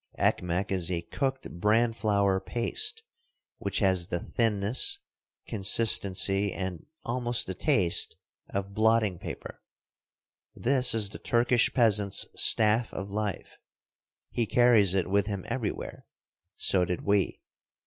Ekmek is a cooked bran flour paste, which has the thinness, consistency, and almost the taste of blotting paper. This is the Turkish peasant's staff of life. He carries it with him everywhere; so did we.